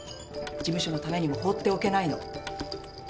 事務所のためにもほうっておけないの。